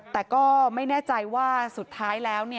แต่ก็ไม่แน่ใจว่าสุดท้ายแล้ว